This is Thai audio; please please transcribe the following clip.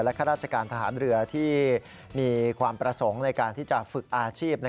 ข้าราชการทหารเรือที่มีความประสงค์ในการที่จะฝึกอาชีพ